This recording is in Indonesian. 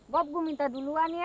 bob gue minta duluan ya